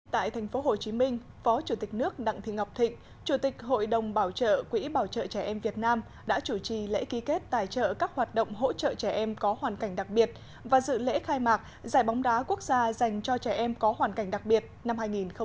tại tp hcm phó chủ tịch nước đặng thị ngọc thịnh chủ tịch hội đồng bảo trợ quỹ bảo trợ trẻ em việt nam đã chủ trì lễ ký kết tài trợ các hoạt động hỗ trợ trẻ em có hoàn cảnh đặc biệt và dự lễ khai mạc giải bóng đá quốc gia dành cho trẻ em có hoàn cảnh đặc biệt năm hai nghìn một mươi chín